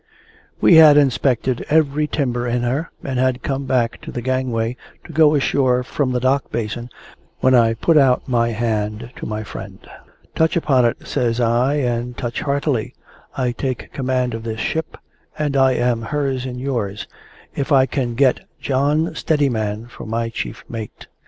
We had inspected every timber in her, and had come back to the gangway to go ashore from the dock basin, when I put out my hand to my friend. "Touch upon it," says I, "and touch heartily. I take command of this ship, and I am hers and yours, if I can get John Steadiman for my chief mate."